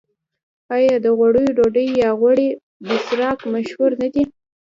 آیا د غوړیو ډوډۍ یا غوړي بسراق مشهور نه دي؟